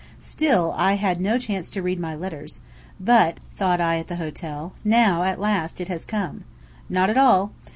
Still I had no chance to read my letters; but, thought I at the hotel, "Now at last, it has come!" Not at all!